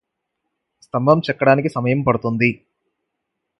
స్తంభం చెక్కడానికి సమయం పడుతుంది